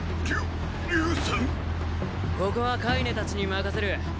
ここはカイネたちに任せる。